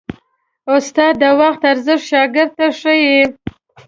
استاد د وخت ارزښت شاګرد ته ښيي.